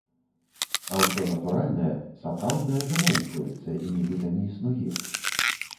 А ўсё натуральнае, сапраўднае замоўчваецца і нібыта не існуе.